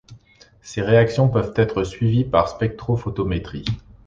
Ces réaction peuvent être suivies par spectrophotométrie.